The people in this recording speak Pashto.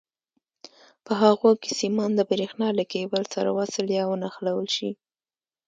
په هغو کې سیمان د برېښنا له کېبل سره وصل یا ونښلول شي.